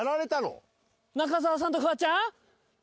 中澤さんとフワちゃん？